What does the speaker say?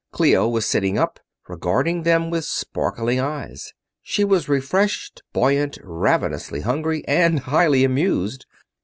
Clio was sitting up, regarding them with sparkling eyes. She was refreshed, buoyant, ravenously hungry and highly amused.